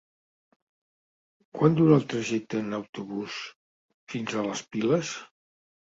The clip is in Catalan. Quant dura el trajecte en autobús fins a les Piles?